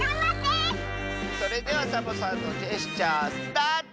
それではサボさんのジェスチャースタート！